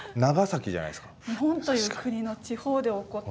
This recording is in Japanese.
日本という国の地方で起こった。